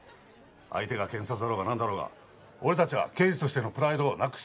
相手が検察だろうがなんだろうが俺たちは刑事としてのプライドをなくしちゃいけない。